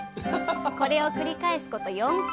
これを繰り返すこと４回！